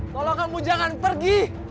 tolong kamu jangan pergi